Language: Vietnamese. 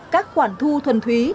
các khoản thu thuần thúy